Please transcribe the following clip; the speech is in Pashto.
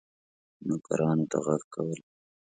نوکرانو ته ږغ کړل.